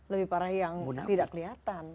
lebih parah yang tidak kelihatan